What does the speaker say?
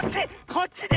こっちね！